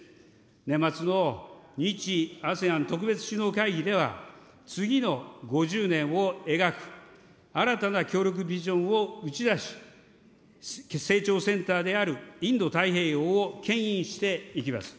年末の日・ＡＳＥＡＮ特別首脳会議では、次の５０年を描く新たな協力ビジョンを打ち出し、成長センターであるインド太平洋をけん引していきます。